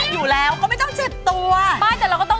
แม่บ้านบ้านตัวจริง